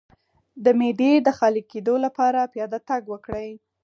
د معدې د خالي کیدو لپاره پیاده تګ وکړئ